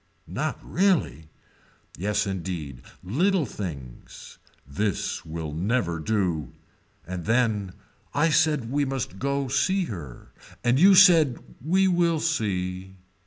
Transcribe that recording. Not really. Yes indeed. Little things. This will never do. And then. I said we must go to see her. And you said we will see.